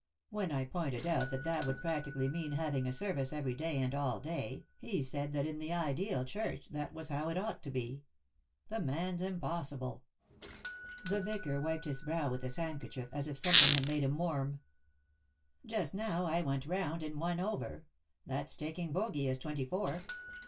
When I pointed out that that would practically mean having a service every day and all day, he said that in the ideal church that was how it ought to be. The man's impossible I " The vicar wiped bis brow with bis handkerchief, as if something had made him w arm. " Just now I went round in one over ; that's taking bogey as twenty four.